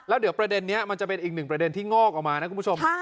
แล้วเดี๋ยวประเด็นนี้มันจะเป็นอีกหนึ่งประเด็นที่งอกออกมานะคุณผู้ชม